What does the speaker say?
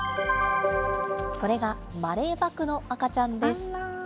それがマレーバクの赤ちゃんです。